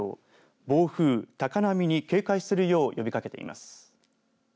暴風、高波に警戒するよう呼びかけています。